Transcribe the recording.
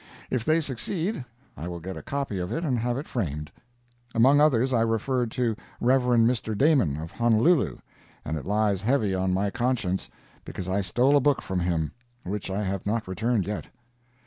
If they succeed, I will get a copy of it and have it framed. Among others, I referred to Rev. Mr. Damon, of Honolulu, and it lies heavy on my conscience, because I stole a book from him, which I have not returned yet.